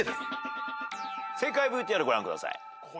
正解ＶＴＲご覧ください。